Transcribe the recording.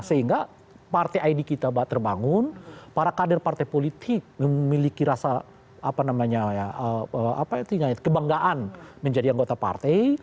sehingga partai id kita bakal terbangun para kader partai politik memiliki rasa apa namanya ya apa itu ya kebanggaan menjadi anggota partai